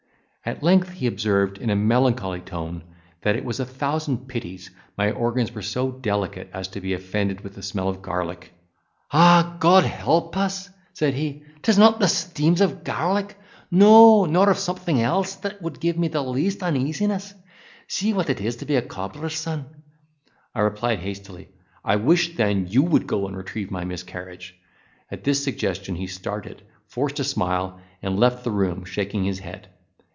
At length he observed, in a melancholy tone, that it was a thousand pities my organs were so delicate as to be offended with the smell of garlic. "Ah! God help us," said he, "'tis not the steams of garlic, no, nor of something else, that would give me the least uneasiness—see what it is to be a cobler's son!" I replied hastily, "I wish then you would go and retrieve my miscarriage." At this suggestion he started, forced a smile, and left the room, shaking his head.